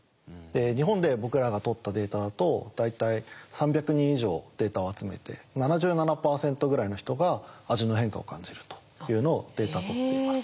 日本で僕らが取ったデータだと大体３００人以上データを集めて７７％ぐらいの人が味の変化を感じるというのをデータ取っています。